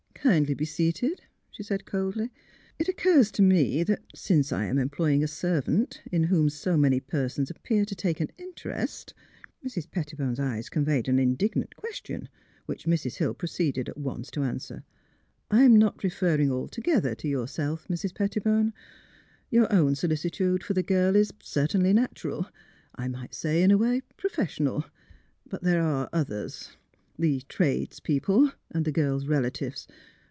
*' Kindly be seated," she said, coldly. *' It occurs to me that since I am employing a servant in whom so many persons appear to take an interest " Mrs. Pettibone 's eyes conveyed an indignant question, which Mrs. Hill proceeded at once to answer. '' I am not referring altogether to yourself, Mrs. Pettibone; your own solicitude for the girl is certainly natural; I might say in a way, profes sional. But there are others — the trades people, 150 THE HEART OF PHILURA and the girl's relatives.